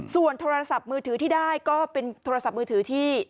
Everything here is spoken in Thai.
ส่วนโทรศัพท์มือถือที่ได้ก็เป็นมือถือที่